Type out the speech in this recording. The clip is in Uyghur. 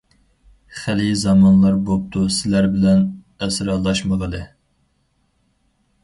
خېلى زامانلار بوپتۇ سىلەر بىلەن ئەسرالاشمىغىلى!